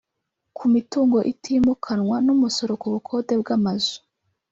ku mitungo itimukanwa n’umusoro ku bukode bw’amazu